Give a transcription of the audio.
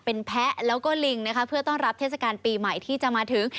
เป็นแพะแล้วก็ลิงนะคะเพื่อต้อนรับเทศกาลปีใหม่ที่จะมาถึง